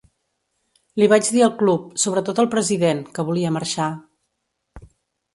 Li vaig dir al club, sobretot al president, que volia marxar.